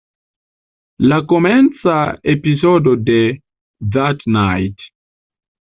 La komenca epizodo de "That Night!